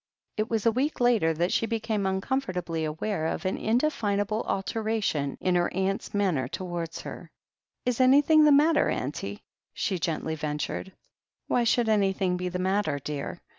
It was a week later that she became tmcomfortably aware of an indefinable alteration in her aunt's man ner towards her. "Is anything the matter, auntie?" she gently ven tured. "Why should anything be the matter, dear?"